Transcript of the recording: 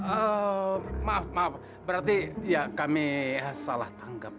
oh maaf maaf berarti ya kami salah tanggap